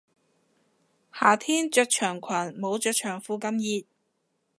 夏天着長裙冇着長褲咁熱